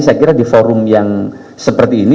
saya kira di forum yang seperti ini